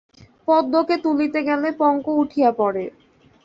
পদ্মকে তুলিতে গেলে পঙ্ক উঠিয়া পড়ে।